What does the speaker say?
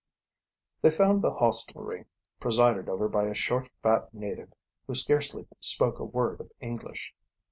They found the hostelry presided over by a short, fat native who scarcely spoke a word of English.